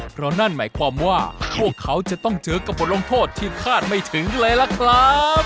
เพราะนั่นหมายความว่ากระบวนลงโทษจะต้องเจอที่ห้าดไม่ถึงเลยล่ะครับ